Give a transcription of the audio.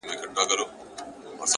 د نظرونو په بدل کي مي فکرونه راوړل _